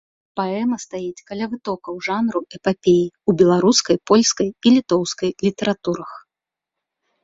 Паэма стаіць каля вытокаў жанру эпапеі ў беларускай, польскай і літоўскай літаратурах.